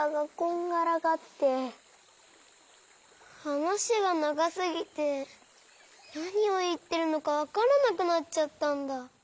はなしがながすぎてなにをいってるのかわからなくなっちゃったんだ。